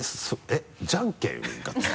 えっじゃんけんが？